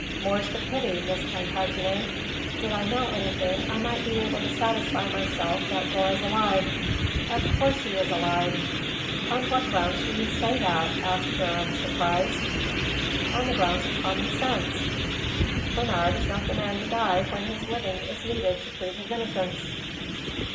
"More's the pity, Miss Plantagenet. Did I know anything I might be able to satisfy myself that Gore is alive." "Of course he is alive." "On what ground do you say that?" asked Durham, surprised. "On the grounds of common sense. Bernard is not the man to die when his living is needed to prove his innocence."